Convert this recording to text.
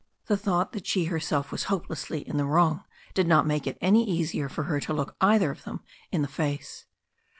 The thought that she herself was hopelessly in the wrong did not make it any easier for her to look either of them in the face.